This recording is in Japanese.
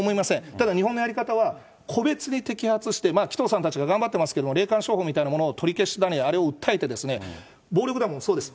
ただ、日本のやり方は個別に摘発して、紀藤さんたちが頑張っていますけれども、霊感商法みたいなものを取り消したり、あれを訴えて、暴力団もそうです。